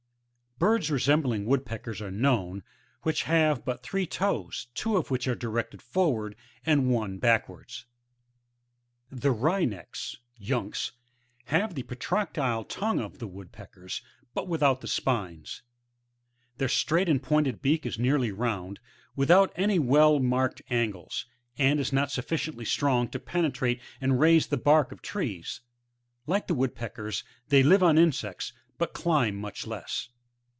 Birds resembling Woodpeckers are known, which have but three toes, two of which are directed forward, and one backwards, 18. The Wrynecks, — Yiinx,^( Plate i,Jig. 5.) have the pro tractile tongue of the Woodpeckers, but without the spines ; their straight and pointed beak is nearly round, without any well marked angles, and is not suflSciently strong to penetrate and raise the bark of trees ; like the Woodpeckers, they live on insects, but climb much le.s8.